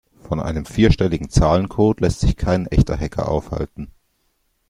Von einem vierstelligen Zahlencode lässt sich kein echter Hacker aufhalten.